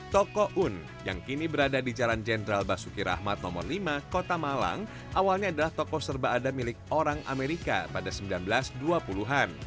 toko un yang kini berada di jalan jenderal basuki rahmat nomor lima kota malang awalnya adalah toko serba ada milik orang amerika pada seribu sembilan ratus dua puluh an